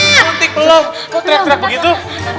suntik belum kok trap trap begitu